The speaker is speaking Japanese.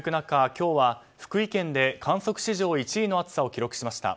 今日は福井県で観測史上１位の暑さを記録しました。